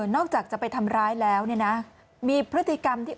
นอกจากจะไปทำร้ายแล้วมีพฤติกรรมที่